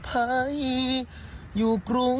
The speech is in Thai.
สวัสดีครับ